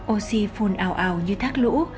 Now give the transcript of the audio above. oxy phun ào ào như thác lũ